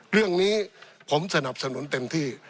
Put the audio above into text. เรื่องนี้ผมสนับสนุนเต็มที่